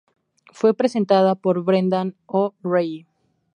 Fue presentada por Brendan O'Reilly.